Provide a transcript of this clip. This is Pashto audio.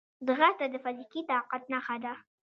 ځغاسته د فزیکي طاقت نښه ده